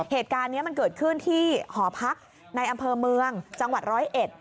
เหตุการณ์นี้มันเกิดขึ้นที่หอพักในอำเภอเมืองจังหวัดร้อยเอ็ด